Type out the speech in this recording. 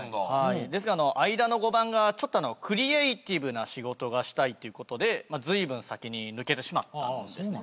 ですが間の５番がクリエーティブな仕事がしたいということでずいぶん先に抜けてしまったんですね。